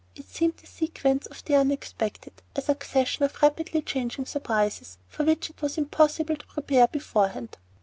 It seemed the sequence of the unexpected, a succession of rapidly changing surprises, for which it was impossible to prepare beforehand.